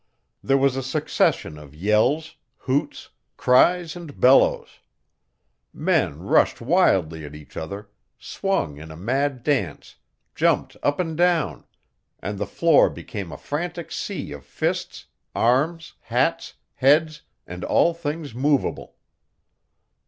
There was a succession of yells, hoots, cries and bellows; men rushed wildly at each other, swung in a mad dance, jumped up and down; and the floor became a frantic sea of fists, arms, hats, heads, and all things movable.